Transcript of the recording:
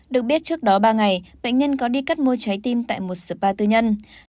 được biết trước đó ba ngày bệnh nhân có đi cắt mua trái tim tại một spa tư nhân